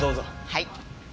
はい。